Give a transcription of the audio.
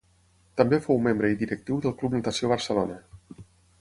També fou membre i directiu del Club Natació Barcelona.